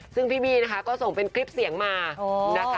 ซึ่งพี่บี้นะคะก็ส่งเป็นคลิปเสียงมานะคะ